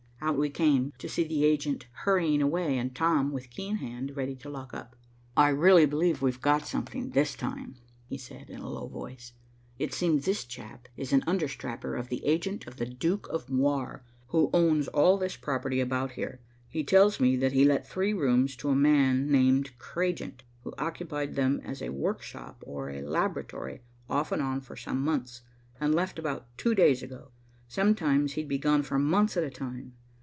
Out we came, to see the agent hurrying away and Tom, with key in hand, ready to lock up. "I really believe we've got something, this time," he said, in a low voice. "It seems this chap is an understrapper of the agent of the Duke of Moir, who owns all this property about here. He tells me that he let three rooms to a man named Cragent, who occupied them as a workshop or a laboratory off and on for some months, and left about two days ago. Sometimes he'd be gone for months at a time.